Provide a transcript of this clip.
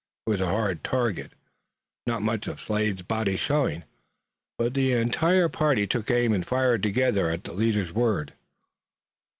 It was a hard target, not much of Slade's body showing, but the entire party took aim and fired together at the leader's word.